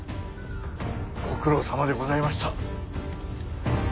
ご苦労さまでございました。